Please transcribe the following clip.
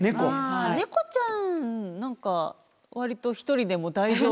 あ猫ちゃん何か割と一人でも大丈夫。